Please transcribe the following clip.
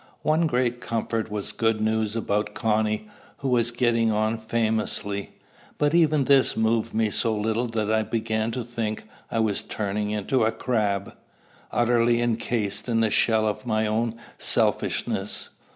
One great comfort was good news about Connie, who was getting on famously. But even this moved me so little that I began to think I was turning into a crab, utterly incased in the shell of my own selfishness.